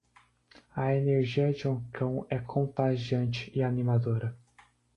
A energia de um cão é contagiante e animadora.